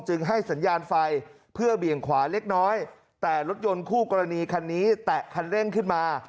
ให้สัญญาณไฟเพื่อเบี่ยงขวาเล็กน้อยแต่รถยนต์คู่กรณีคันนี้แตะคันเร่งขึ้นมา